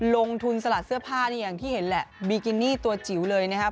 ลงทุนสลัดเสื้อผ้านี่อย่างที่เห็นแหละบีกินี่ตัวจิ๋วเลยนะครับ